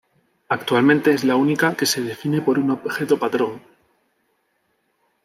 Actualmente es la única que se define por un objeto patrón.